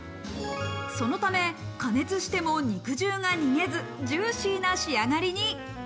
そのため、加熱しても肉汁が逃げず、ジューシーな仕上がりに。